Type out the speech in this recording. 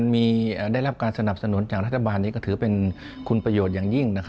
ได้รับการสนับสนุนจากรัฐบาลนี้ก็ถือเป็นคุณประโยชน์อย่างยิ่ง